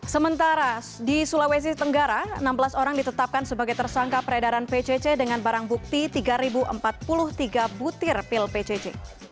sementara di sulawesi tenggara enam belas orang ditetapkan sebagai tersangka peredaran pcc dengan barang bukti tiga empat puluh tiga butir pil pcc